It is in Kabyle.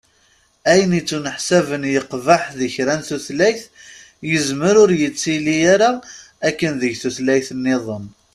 Ayen ittneḥsaben yeqbeḥ di kra n tutlayt, yezmer ur yettili ara akken deg tutlayt-nniḍen.